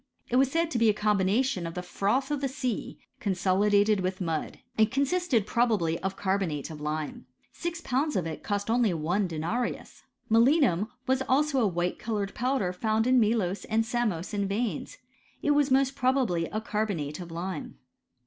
It wa* said to be a combination of the froth of the sea con solidated with mud. It consisted probably of car bonate of lime. Six pounds of it cost only one denarius. Melinum was also a white coloured powder found In Melos and Samos in yeins. It was most probably a carbonate of lime.